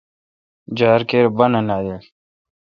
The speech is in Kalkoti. جار کیر بانہ نالیل۔